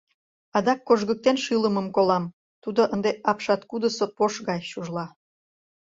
Адак кожгыктен шӱлымым колам, тудо ынде апшаткудысо пош гаяк чужла.